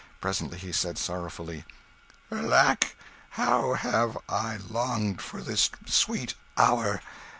Presently he said sorrowfully "Alack, how have I longed for this sweet hour!